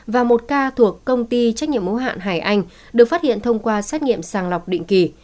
và một ca thuộc công ty trách nhiệm hữu hạn hải anh được phát hiện thông qua xét nghiệm sàng lọc định kỳ